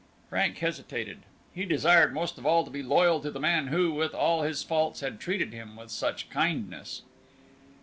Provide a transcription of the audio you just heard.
Frank hesitated. He desired most of all to be loyal to the man who, with all his faults, had treated him with such kindness.